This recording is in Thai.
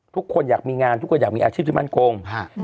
ทุกคนอยากมีงานทุกคนอยากมีอาชีพที่มั่นคง